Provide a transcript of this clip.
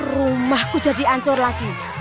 rumahku jadi ancur lagi